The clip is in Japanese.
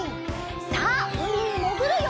さあうみにもぐるよ！